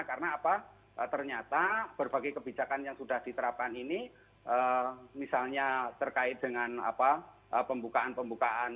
karena apa ternyata berbagai kebijakan yang sudah diterapkan ini misalnya terkait dengan apa pembukaan pembukaan